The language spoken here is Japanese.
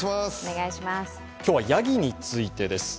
今日は、やぎについてです。